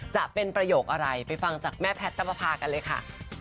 จะเป็นประโยคอะไรไปฟังจากแม่แพทย์น้ำประพากันเลยค่ะ